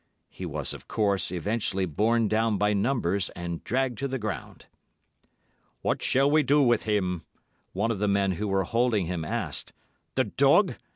He was, of course, eventually borne down by numbers, and dragged to the ground. "What shall we do with him?" one of the men who were holding him asked. "The dog!